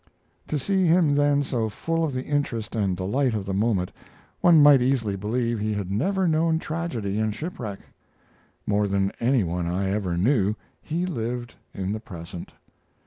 To see him then so full of the interest and delight of the moment, one might easily believe he had never known tragedy and shipwreck. More than any one I ever knew, he lived in the present.